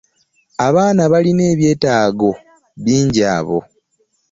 Abaana balina ebyetaago bingi abo.